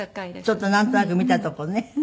ちょっとなんとなく見たとこね。